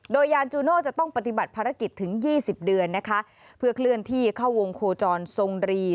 โดยยานจูโน่จะต้องปฏิบัติภารกิจถึง๒๐เดือนนะคะเพื่อเคลื่อนที่เข้าวงโคจรทรงรี